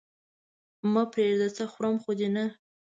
مه پرېږده! څه خورم خو دې نه؟